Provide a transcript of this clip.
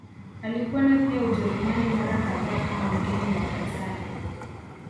Alikwenda pia Ujerumani mara kadhaa kama mgeni wa Kaisari.